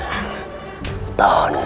apakah kita harus tulangnya ini